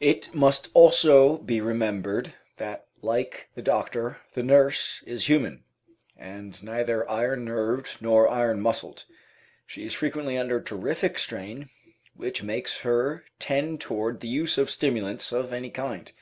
It must also be remembered that, like the doctor, the nurse is human, and neither iron nerved nor iron muscled. She is frequently under terrific strain, which makes her tend toward the use of stimulants of any kind.